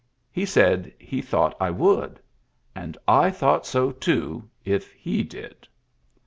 He said he thought I would; and I thought so, toOy if he did.